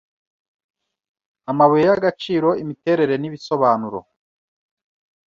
amabuye y'agaciro Imiterere ni ibisobanuro